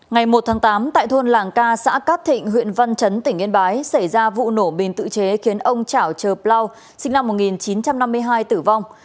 ngày một tháng tám tại thôn làng ca xã cát thịnh huyện văn chấn tỉnh yên bái xảy ra vụ nổ bình tự chế khiến ông trảo trờ bloo sinh năm một nghìn chín trăm năm mươi hai tử vong